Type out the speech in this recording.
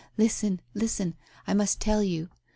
Listen! Listen! I must tell you.